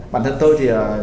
bản thân tôi thì